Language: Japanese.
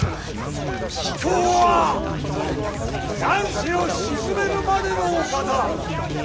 貴公は乱世を鎮めるまでのお方。